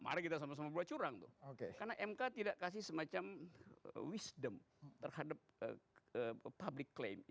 mari kita sama sama buat curang tuh karena mk tidak kasih semacam wisdom terhadap public claim